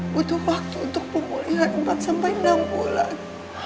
butuh waktu untuk pemulihan empat sampai enam bulan